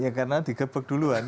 ya karena digebek duluan